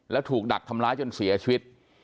แล้วถูกดักทำร้ายจนเสียชีวิต